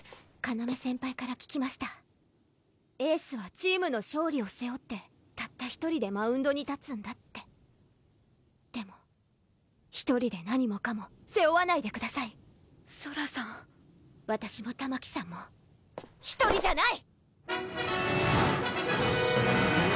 なめ先輩から聞きましたエースはチームの勝利をせおってたったひとりでマウンドに立つんだってでもひとりで何もかもせおわないでくださいソラさんわたしもたまきさんもひとりじゃない！